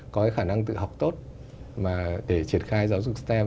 có khả năng tự học tốt mà để triển khai giáo dục stem